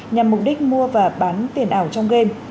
nhằm mục đích mua và bán tiền ảo trong game